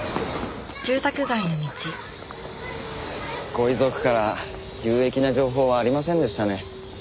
ご遺族から有益な情報はありませんでしたね。